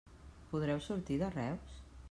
Podreu sortir de Reus?